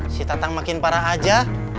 si tatang makin parah aja